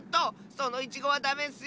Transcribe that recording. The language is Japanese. そのイチゴはダメッスよ！